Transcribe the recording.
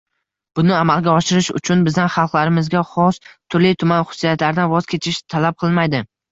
Buni amalga oshirish uchun bizdan xalqlarimizga xos turli-tuman xususiyatlardan voz kechish talab qilinmaydi